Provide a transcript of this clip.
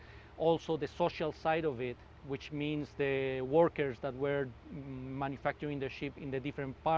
juga bagian sosialnya yaitu pekerja yang membuat kapal di bagian lainnya